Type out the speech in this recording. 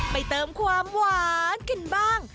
เติมความหวานกันบ้าง